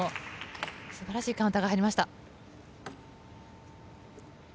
素晴らしいカウンターは入りました。